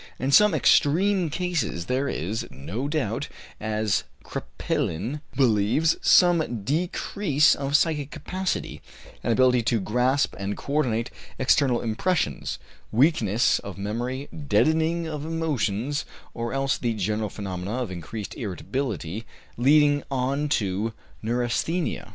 In some extreme cases there is, no doubt, as Kraepelin believes, some decrease of psychic capacity, an inability to grasp and co ordinate external impressions, weakness of memory, deadening of emotions, or else the general phenomena of increased irritability, leading on to neurasthenia.